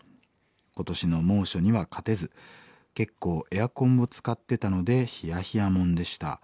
今年の猛暑には勝てず結構エアコンも使ってたのでヒヤヒヤもんでした。